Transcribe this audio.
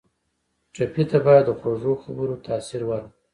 ټپي ته باید د خوږو خبرو تاثیر ورکړو.